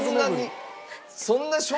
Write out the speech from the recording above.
そんなに。